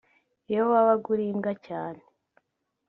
iyo wabaga uri imbwa cyane